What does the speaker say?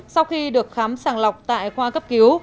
sau khi được khám sàng lọc tại khoa cấp cứu